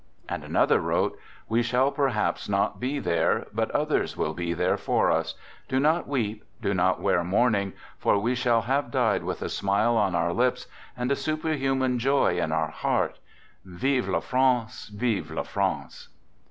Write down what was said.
And another wrote: "We shall perhaps not be there, but others will be there for us. Do not weep, do not wear mourning, for we shall have died with a smile on our lips and a superhuman joy in our heart, Vive la France ! Vive la France